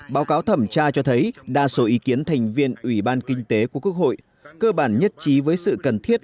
báo cáo thẩm tra cho thấy đa số ý kiến thành viên ủy ban kinh tế của quốc hội cơ bản nhất trí với sự cần thiết